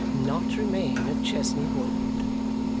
Not remain at Chesney Wold!